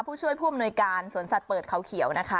ผู้ช่วยผู้อำนวยการสวนสัตว์เปิดเขาเขียวนะคะ